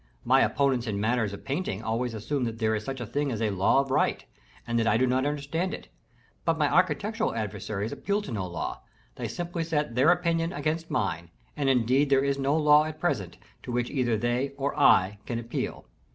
My opponents in matters of painting always assume that there is such a thing as a law of right, and that I do not understand it: but my architectural adversaries appeal to no law, they simply set their opinion against mine; and indeed there is no law at present to which either they or I can appeal.